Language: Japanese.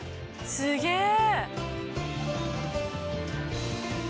すげえな。